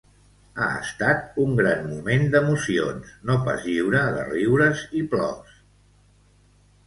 Ha estat un gran moment d'emocions, no pas lliure de riures i plors.